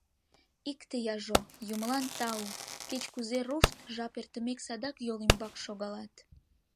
Икте яжо: юмылан тау! — кеч-кузе рушт, жап эртымек, садак йол ӱмбак шогалат.